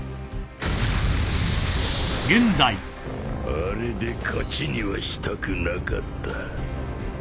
あれで勝ちにはしたくなかった。